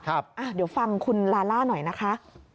เดี๋ยวฟังคุณลาล่าหน่อยนะคะ